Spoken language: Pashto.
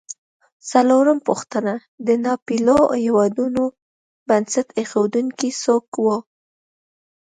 څلورمه پوښتنه: د ناپېیلو هېوادونو بنسټ ایښودونکي څوک و؟